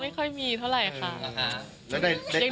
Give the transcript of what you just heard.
ไม่ค่อยมีเท่าไหร่ค่ะยังดูแลตัวเองอยู่